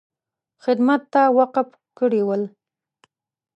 خدمت ته وقف کړي ول.